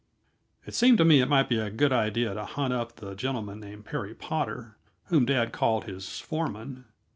It seemed to me it might be a good idea to hunt up the gentleman named Perry Potter, whom dad called his foreman.